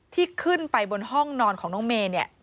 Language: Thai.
ที่ขึ้นไปบนห้องนอนของน้องเมย์เนี่ย